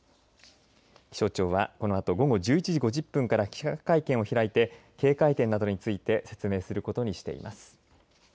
気象庁はこのあと午後１１時５０分から記者会見を開いて警戒点などについて説明することにしています。